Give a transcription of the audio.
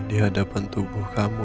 di hadapan tubuh kamu